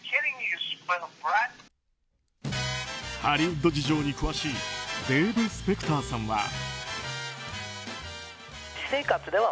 ハリウッド事情に詳しいデーブ・スペクターさんは。